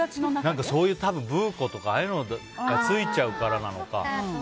そういうブー子とかああいうのがついちゃうからなのか。